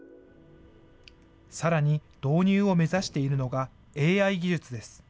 さらに、導入を目指しているのが、ＡＩ技術です。